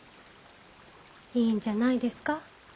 いいんじゃないですか。